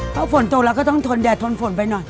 เพราะฝนตกเราก็ต้องทนแดดทนฝนไปหน่อย